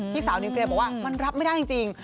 สาวนิวเคลียร์บอกว่ามันรับไม่ได้จริง